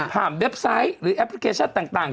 เว็บไซต์หรือแอปพลิเคชันต่าง